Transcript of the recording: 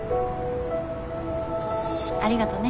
ありがとね。